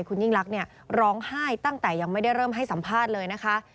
คุณยิ่งลักษณ์ร้องไห้ตั้งแต่ยังไม่ได้เริ่มให้สัมภาษณ์เลยนะคะ